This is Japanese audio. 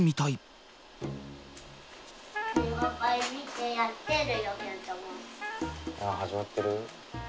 始まってる？